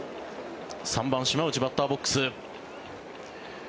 ３番、島内バッターボックス。